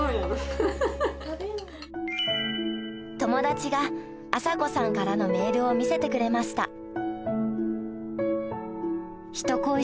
友達が麻子さんからのメールを見せてくれました